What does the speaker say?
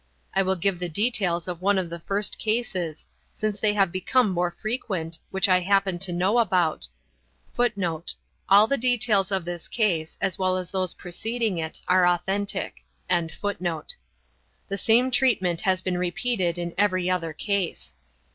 I will give the details of one of the first cases, since they have become more frequent, which I happen to know about [footnote: All the details of this case, as well as those preceding it, are authentic]. The same treatment has been repeated in every other case.